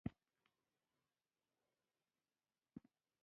دا د پایلې اخیستنې او ارزیابۍ مرحله ده.